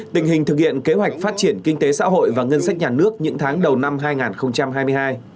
tình hình thực hiện kế hoạch phát triển kinh tế xã hội và ngân sách nhà nước những tháng đầu năm hai nghìn hai mươi hai